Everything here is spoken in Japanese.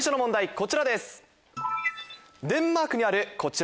こちらです。